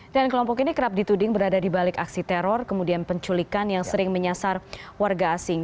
dan kelompok ini kerap dituding berada di balik aksi teror kemudian penculikan yang sering menyasar warga asing